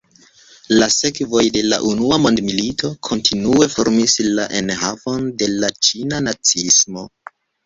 La sekvoj de la Unua Mondmilito kontinue formis la enhavon de la Ĉina naciismo.